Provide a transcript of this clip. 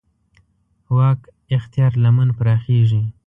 واک اختیار لمن پراخېږي.